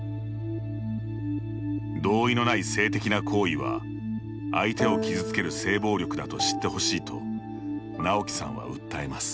同意のない性的な行為は相手を傷つける性暴力だと知ってほしいとなおきさんは訴えます。